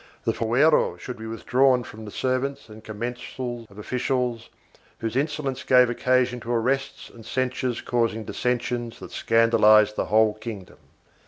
The fuero should be withdrawn from the servants and commensals of officials whose insolence gave occasion to arrests and censures causing dissen sions that scandalized the whole kingdom.